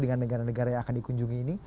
dengan negara negara yang akan dikunjungi ini